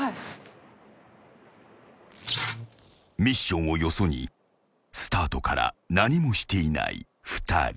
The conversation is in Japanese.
［ミッションをよそにスタートから何もしていない２人］